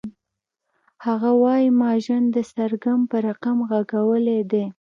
هغه وایی ما ژوند د سرګم په رقم غږولی دی